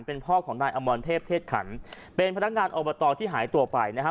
เป็นพ่อของนายอมรเทพเทศขันเป็นพนักงานอบตที่หายตัวไปนะฮะ